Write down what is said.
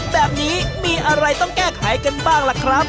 แบบนี้มีอะไรต้องแก้ไขกันบ้างล่ะครับ